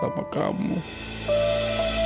apa bapak juga harus ditinggalin